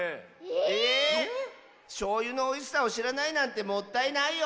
えっ⁉しょうゆのおいしさをしらないなんてもったいないよ！